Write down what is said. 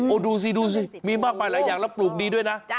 ดูสิดูสิมีมากมายหลายอย่างแล้วปลูกดีด้วยนะ